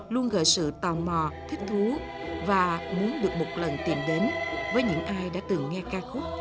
luôn gợi sự tò mò thích thú và muốn được một lần tìm đến với những ai đã từng nghe ca khúc